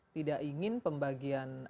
tidak ingin pembagian